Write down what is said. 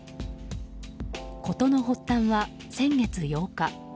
事の発端は先月８日。